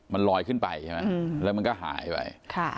มันลอยขึ้นไปใช่ไหมแล้วมันก็หายไป